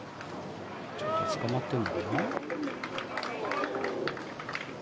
ちょっとつかまってるのかな？